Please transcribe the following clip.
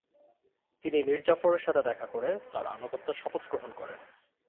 তিনি মীর জাফরের সাথে দেখা করে তাঁর আনুগত্যের শপথ গ্রহণ করেন।